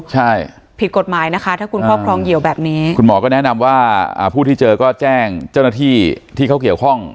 ใช่ผิดกฎหมายนะคะถ้าคุณครอบครองเหยื่อแบบนี้คุณหมอก็แนะนำว่าผู้ที่เจอก็แจ้งเจ้าหน้าที่ที่เขาเกี่ยวข้อง